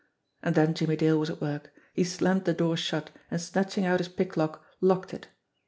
And then Jimmie Dale was at work. He slammed the door shut, and snatching out his pick lock, locked it.